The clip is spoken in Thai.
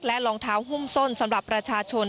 และลองเท้าหุ้มส้นสำหรับประโยชน์